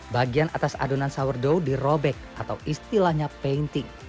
bagian atas adonan sourdow dirobek atau istilahnya painting